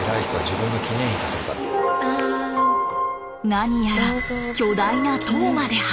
何やら巨大な塔まで発見！